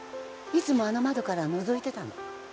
いつもあの窓からのぞいてたの